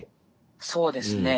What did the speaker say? そうですね。